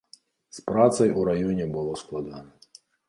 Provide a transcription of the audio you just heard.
З працай у раёне было складана.